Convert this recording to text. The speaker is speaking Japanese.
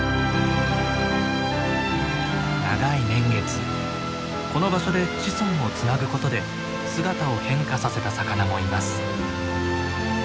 長い年月この場所で子孫をつなぐことで姿を変化させた魚もいます。